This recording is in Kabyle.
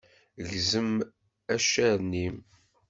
Gzem accaren-innem.